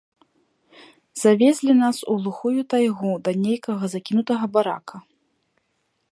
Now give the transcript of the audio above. Завезлі нас у глухую тайгу да нейкага закінутага барака.